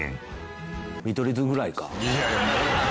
「見取り図ぐらいか」